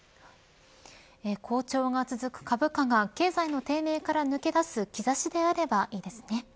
好調が続く株価が、経済の低迷から抜け出す兆しであればいいですね。